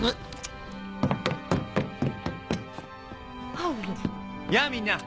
ハウル！やぁみんな！